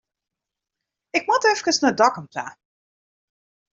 Ik moat efkes nei Dokkum ta.